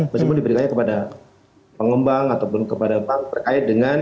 maksudnya diberikannya kepada pengembang ataupun kepada bank berkait dengan